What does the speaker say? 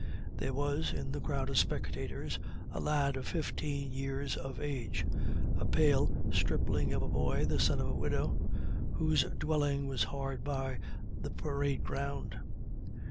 There was, in the crowd of spectators, a lad of fifteen years of age; a pale stripling of a boy, the son of a widow, whose dwelling was hard by the parade ground.